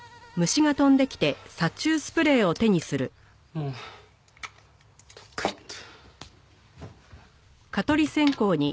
もうどっか行った。